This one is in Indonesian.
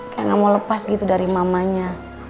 kayak gak mau lepas gitu dari mamanya